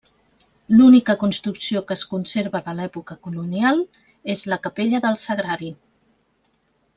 L'única construcció que es conserva de l'època colonial és la Capella del Sagrari.